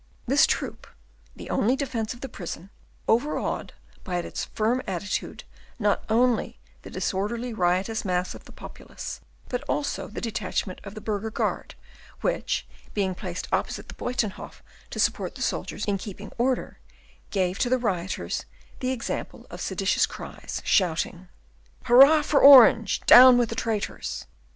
This troop, the only defence of the prison, overawed by its firm attitude not only the disorderly riotous mass of the populace, but also the detachment of the burgher guard, which, being placed opposite the Buytenhof to support the soldiers in keeping order, gave to the rioters the example of seditious cries, shouting, "Hurrah for Orange! Down with the traitors!"